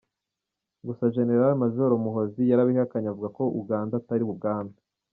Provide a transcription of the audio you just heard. Gusa General Major Muhoozi yarabihakanye avuga ko Uganda atari ubwami.